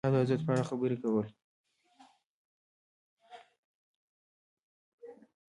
د کتاب د ارزښت په اړه خبرې کول.